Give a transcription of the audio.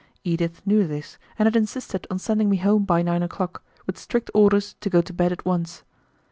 Edith knew this and had insisted on sending me home by nine o'clock, with strict orders to go to bed at once.